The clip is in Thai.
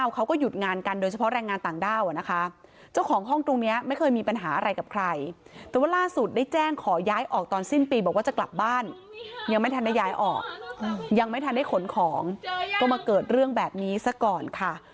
เขาก็หยุดงานกันเฉพาะแรงงานต่างด้าว